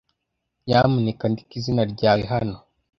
Nyamuneka andika izina ryawe hano.